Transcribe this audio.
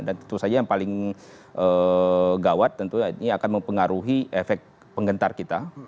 dan tentu saja yang paling gawat tentunya ini akan mempengaruhi efek penggentar kita